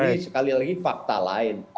ini sekali lagi fakta lain